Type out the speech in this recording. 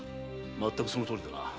まったくそのとおりだな。